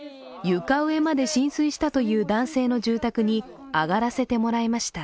床上まで浸水したという男性の住宅にあがらせてもらいました。